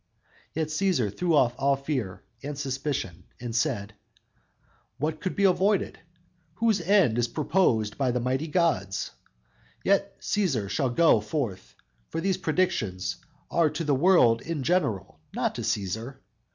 Yet, Cæsar threw off all fear and suspicion and said: _"What can be avoided, Whose end is purposed by the mighty gods? Yet Cæsar shall go forth, for these predictions Are to the world in general, not to Cæsar!